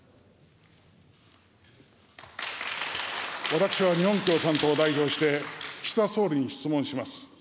私は日本共産党を代表して、岸田総理に質問します。